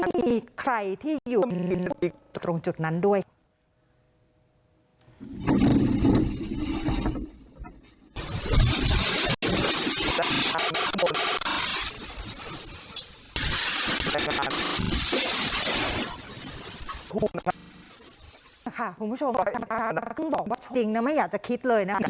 ไม่อยากจะคิดเลยนะคะ